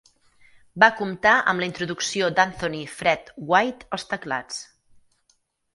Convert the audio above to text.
Va comptar amb la introducció d'Anthony "Fred" White als teclats.